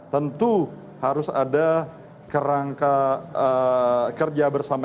tentu harus ada kerangka kerja bersama